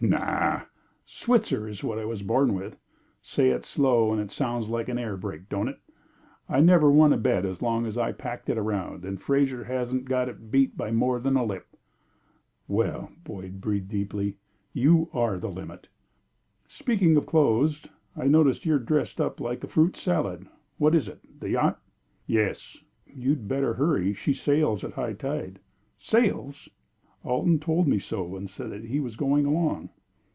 "Naw! Switzer is what I was born with. Say it slow and it sounds like an air brake, don't it? I never won a bet as long as I packed it around, and Fraser hasn't got it beat by more than a lip." "Well!" Boyd breathed deeply. "You are the limit." "Speaking of clothes, I notice you are dressed up like a fruit salad. What is it? The yacht!" "Yes." "You'd better hurry; she sails at high tide." "Sails!" "Alton told me so, and said that he was going along."